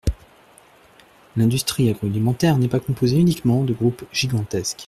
L’industrie agroalimentaire n’est pas composée uniquement de groupes gigantesques.